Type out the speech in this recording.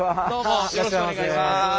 よろしくお願いします。